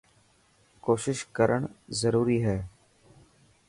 ڪوشش ڪرڻ ضروري هي.